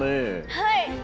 はい！